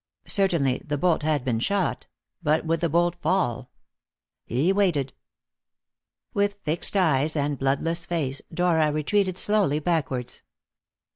Certainly the bolt had been shot; but would the bolt fall? He waited. With fixed eyes and bloodless face, Dora retreated slowly backwards.